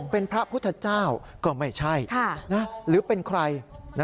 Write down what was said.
เป็นพระพุทธเจ้าก็ไม่ใช่หรือเป็นใคร